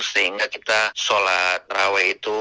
sehingga kita sholat raweh itu